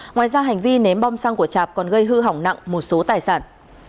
ngoài ra hành vi ném bom xăng của chạp còn gây hư hỏng nặng một số tài sản